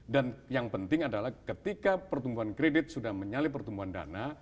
dan yang penting adalah ketika pertumbuhan kredit sudah menyalip pertumbuhan dana